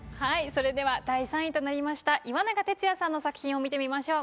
それでは第３位となりました岩永徹也さんの作品を見てみましょう。